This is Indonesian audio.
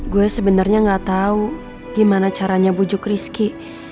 gue sebenernya gak tau gimana caranya bujuk rizky